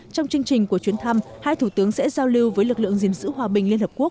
trong chương trình của chuyến thăm hai thủ tướng sẽ giao lưu với lực lượng gìn giữ hòa bình liên hợp quốc